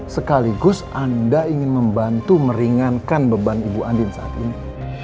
sekaligus anda ingin membantu meringankan beban ibu andin saat ini